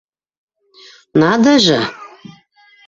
Надо же...